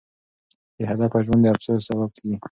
بې هدفه ژوند د افسوس سبب کیږي.